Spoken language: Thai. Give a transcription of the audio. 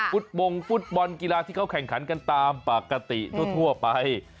บงฟุตบอลกีฬาที่เขาแข่งขันกันตามปกติทั่วไป